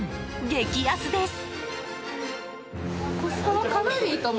激安です！